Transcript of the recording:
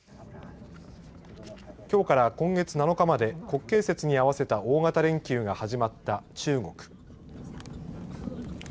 きょうから今月７日まで国慶節に合わせた大型連休が始まった中国。